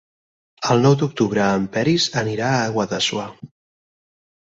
El nou d'octubre en Peris anirà a Guadassuar.